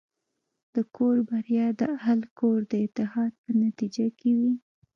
د کور بریا د اهلِ کور د اتحاد په نتیجه کې وي.